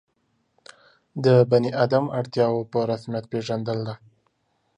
د بني آدم اړتیاوو په رسمیت پېژندل ده.